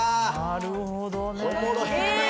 なるほどね。